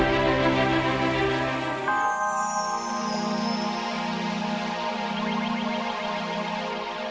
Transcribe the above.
terima kasih banyak